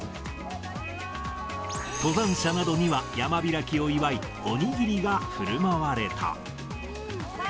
登山者などには山開きを祝いおにぎりがふるまわれた。